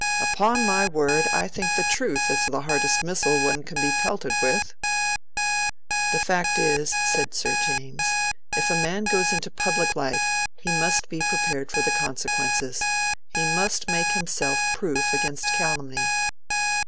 Upon my word, I think the truth is the hardest missile one can be pelted with." "The fact is," said Sir James, "if a man goes into public life he must be prepared for the consequences. He must make himself proof against calumny."